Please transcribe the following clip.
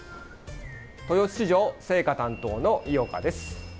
豊洲市場青果担当の井岡です。